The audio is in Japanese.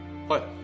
はい。